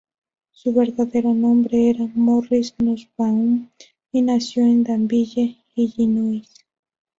Su verdadero nombre era Morris Nussbaum, y nació en Danville, Illinois.